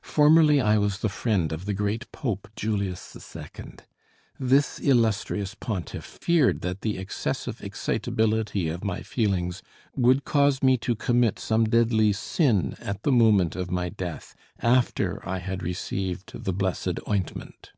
Formerly I was the friend of the great Pope Julius II. This illustrious pontiff feared that the excessive excitability of my feelings would cause me to commit some deadly sin at the moment of my death, after I had received the blessed ointment.